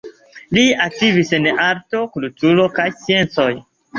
Li aktivis en arto, kulturo kaj sciencoj.